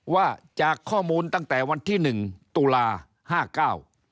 ว่าจากข้อมูลตั้งแต่วันที่หนึ่งตุลาห้าเก้า